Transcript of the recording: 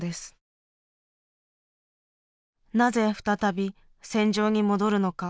なぜ再び戦場に戻るのか。